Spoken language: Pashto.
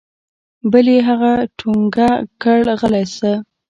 بل يې هغه ټونګه کړ غلى سه.